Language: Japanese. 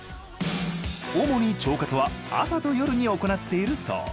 主に腸活は朝と夜に行っているそう。